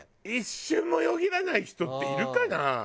一瞬もよぎらない人っているかな？